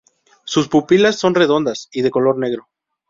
Sus pupilas son redondas y de color negro.